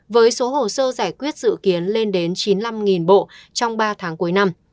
với số hồ sơ giải quyết dự kiến lên đến chín mươi năm bộ trong ba tháng cuối năm